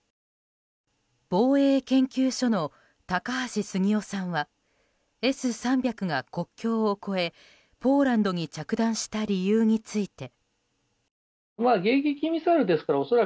防衛研究所の高橋杉雄さんはＳ３００が国境を越えポーランドに着弾した理由について。